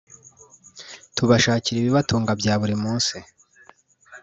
tubashakira ibibatunga bya buri munsi